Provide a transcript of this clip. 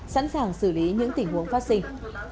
sẵn sàng xử lý những tình huống phát sinh